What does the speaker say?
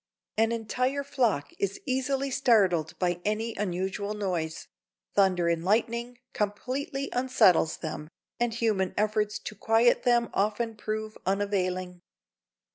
An entire flock is easily startled by any unusual noise; thunder and lightning completely unsettles them, and human efforts to quiet them often prove unavailing.